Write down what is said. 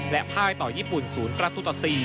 และภายต่อยีปุ่นสูงประตูต่อ๔